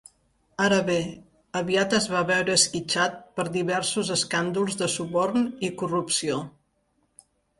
Ara bé, aviat es va veure esquitxat per diversos escàndols de suborn i corrupció.